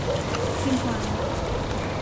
Cinco anos.